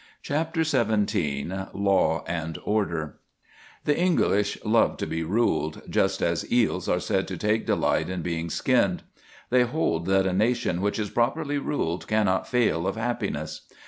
CHAPTER XVII LAW AND ORDER The English love to be ruled, just as eels are said to take delight in being skinned. They hold that a nation which is properly ruled cannot fail of happiness.